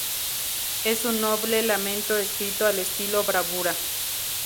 Es un noble lamento escrito al estilo bravura.